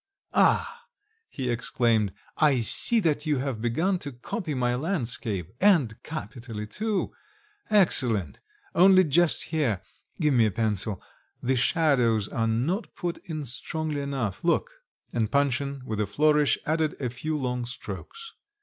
"Ah!" he exclaimed: "I see that you have begun to copy my landscape and capitally too. Excellent! only just here give me a pencil the shadows are not put in strongly enough. Look." And Panshin with a flourish added a few long strokes.